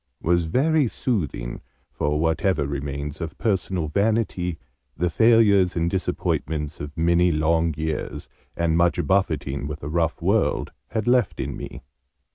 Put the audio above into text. was very soothing for whatever remains of personal vanity the failures and disappointments of many long years, and much buffeting with a rough world, had left in me.